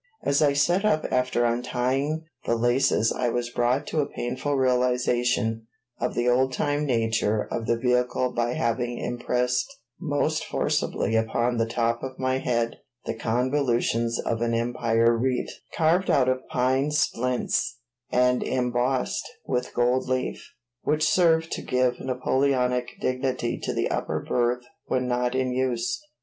As I sat up after untying the laces I was brought to a painful realization of the old time nature of the vehicle by having impressed most forcibly upon the top of my head the convolutions of an empire wreath, carved out of pine splints, and embossed with gold leaf, which served to give Napoleonic dignity to the upper berth when not in use.